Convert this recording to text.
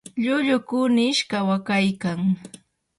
lllullu kunish kawakaykan.